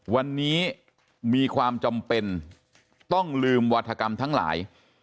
วันนี้มีความจำเป็นต้องลืมวาธกรรมทั้งหลาย